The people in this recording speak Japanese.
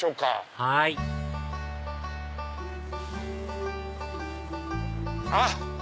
はいあっ！